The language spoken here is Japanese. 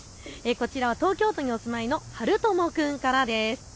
こちらは東京都にお住まいのはるとも君からです。